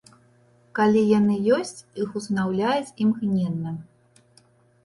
Калі яны ёсць, іх усынаўляюць імгненна.